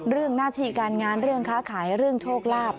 เรื่องหน้าที่การงานค้าขายโชคลาภ